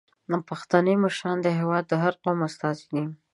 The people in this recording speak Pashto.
پښتني مشران د هیواد د هر قوم استازي دي.